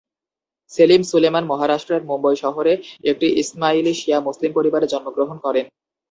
সেলিম-সুলেমান মহারাষ্ট্রের মুম্বই শহরে একটি ইসমাইলি শিয়া মুসলিম পরিবারে জন্মগ্রহণ করেন।